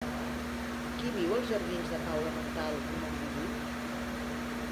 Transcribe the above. Qui viu als jardins de Paula Montal número divuit?